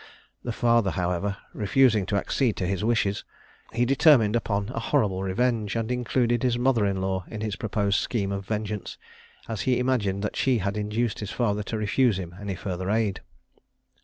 The father, however, refusing to accede to his wishes, he determined upon a horrible revenge, and included his mother in law in his proposed scheme of vengeance, as he imagined that she had induced his father to refuse him any further aid.